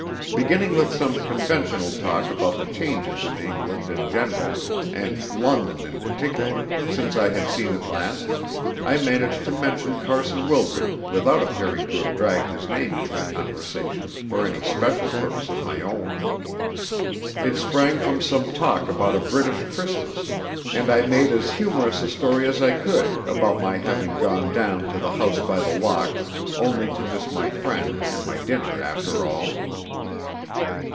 Beginning with some conventional talk about the changes in England in general, and London in particular, since I had seen it last, I managed to mention Carson Wildred without appearing to have dragged his name into the conversation for any special purpose of my own. It sprang from some talk about a British Christmas, and I made as humorous a story as I could about my having gone down to the House by the Lock only to miss my friend and my dinner after all.